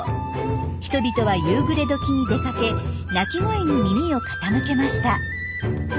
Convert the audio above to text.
人々は夕暮れ時に出かけ鳴き声に耳を傾けました。